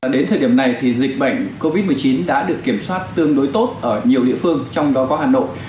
đến thời điểm này thì dịch bệnh covid một mươi chín đã được kiểm soát tương đối tốt ở nhiều địa phương trong đó có hà nội